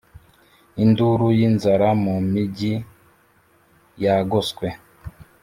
induru y'inzara mu mijyi yagoswe;